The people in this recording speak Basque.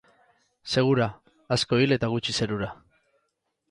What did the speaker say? Segura: asko hil eta gutxi zerura.